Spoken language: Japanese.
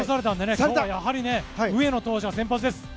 今日はやはり上野投手が先発です。